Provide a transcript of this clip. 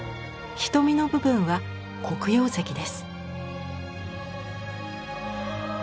瞳の部分は黒曜石です。